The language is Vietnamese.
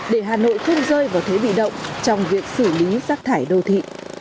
để hà nội không rơi vào thế bị động trong việc xử lý rác thải đô thị